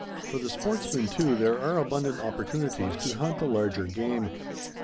For the sportsmen, too, there are abundant opportunities to hunt the larger game.